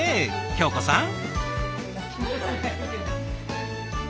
恭子さん。